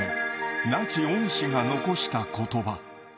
亡き恩師が残したことば。